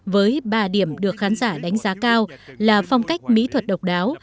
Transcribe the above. với ba điểm được khán giả đánh giá cao là phong cách mỹ thuật độc đáo